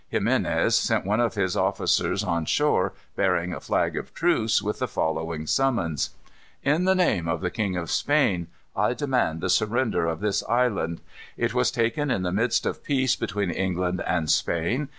Ximines sent one of his officers on shore bearing a flag of truce, with the following summons: "In the name of the King of Spain, I demand the surrender of this island. It was taken in the midst of peace between England and Spain.